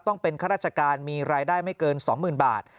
ต้องเป็นข้าราชการมีรายได้ไม่เกิน๒๐๐๐บาท